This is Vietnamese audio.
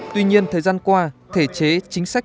tuy nhiên thời gian qua thể chế chính sách